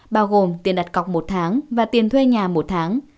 bao gồm tiền đặt cọc một tháng và tiền thuê nhà một tháng